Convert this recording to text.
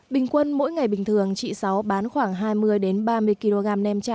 bình quân mỗi ngày bình thường chị sáu bán khoảng hai mươi ba mươi kg nem cha